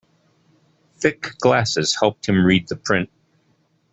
Thick glasses helped him read the print.